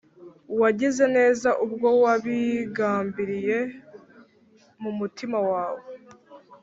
wagize neza ubwo wabigambiriye mu mutima wawe